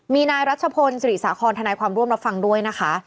มีนายรัชพลศิริสาคอนทนายความร่วมรับฟังด้วยนะคะ